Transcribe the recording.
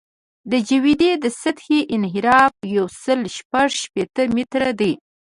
د جیوئید د سطحې انحراف یو سل شپږ شپېته متره دی